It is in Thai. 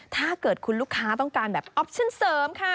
ถ้าเกิดคุณลูกค้าต้องการแบบออปชั่นเสริมค่ะ